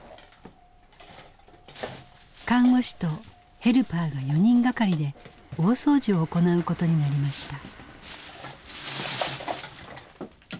看護師とヘルパーが４人がかりで大掃除を行うことになりました。